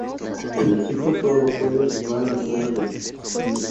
El Equipo Todo Lo Puede va a la cima del Mt.